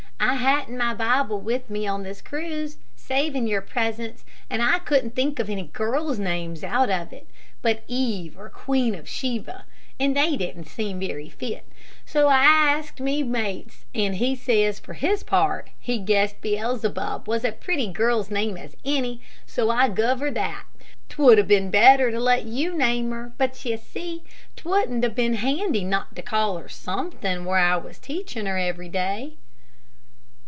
I hadn't my Bible with me on this cruise, savin' yer presence, an' I couldn't think of any girls' names out of it, but Eve or Queen of Sheba, an' they didn't seem very fit, so I asked one of me mates, an' he says, for his part he guessed Bellzebub was as pretty a girl's name as any, so I guv her that. 'Twould 'a been better to let you name her, but ye see 'twouldn't 'a been handy not to call her somethin', where I was teachin' her every day."